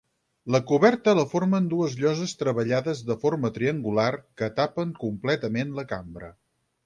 La coberta la formen dues lloses treballades de forma triangular, que tapen completament la cambra.